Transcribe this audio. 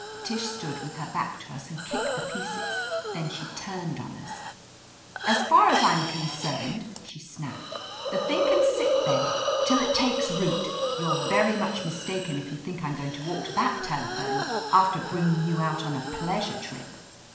Tish stood with her back to us and kicked the pieces ; then she turned on us. "As far as I'm concerned," she snapped, "the thing can sit there till It takes 240 OF LETITIA CARBERRY root. You're very much mistaken if you think I'm going to walk to that telephone, after bringing you out on a pleasure trip."